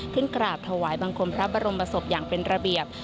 กราบถวายบังคมพระบรมศพอย่างเป็นระเบียบ